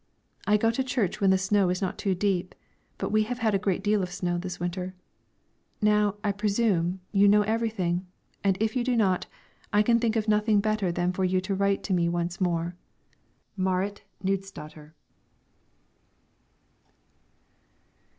I go to church when the snow is not too deep; but we have had a great deal of snow this winter. Now, I presume, you know everything, and if you do not, I can think of nothing better than for you to write to me once more. MARIT KNUDSDATTER.